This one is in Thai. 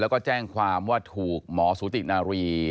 แล้วก็แจ้งความว่าถูกหมอสุตินารี